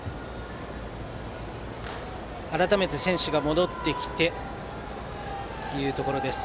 改めて選手が戻ってきたところです。